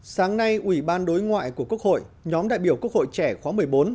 sáng nay ủy ban đối ngoại của quốc hội nhóm đại biểu quốc hội trẻ khóa một mươi bốn